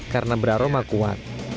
yang beraroma kuat